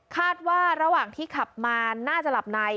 คาดว่าระหว่างที่ขับมาน่าจะหลับใน